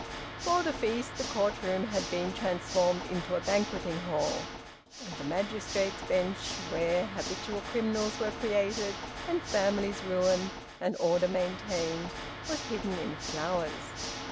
For the feast, the court room had been transformed into a banqueting hall, and the magistrates' bench, where habitual criminals were created and families ruined and order maintained, was hidden in flowers.